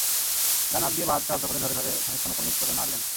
ডান হাত দিয়ে বাঁ হাতকে আলতো করে ধরে খানিকক্ষণ ওপর–নিচ করে নাড়লেন।